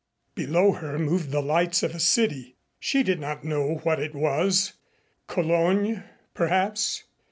Below her moved the lights of a city. She did not know what it was. Cologne, perhaps.